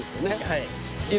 はい。